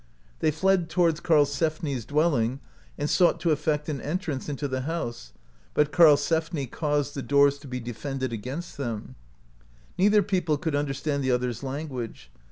They fled towards Karlsefni's dwelling, and sought to effect an entrance into the house, but Karselfni caused the doors to be defended [against them]. Neither [people] could understand the other's language.